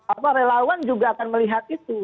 apa relawan juga akan melihat itu